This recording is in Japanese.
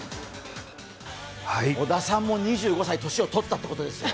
織田さんも２５歳年をとったということですよ。